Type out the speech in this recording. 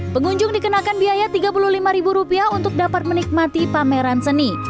pengunjung dikenakan biaya rp tiga puluh lima untuk dapat menikmati pameran seni